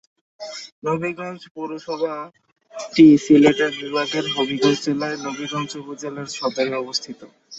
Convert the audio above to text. নবীগঞ্জ পৌরসভাটি সিলেট বিভাগের হবিগঞ্জ জেলার নবীগঞ্জ উপজেলা সদরে অবস্থিত।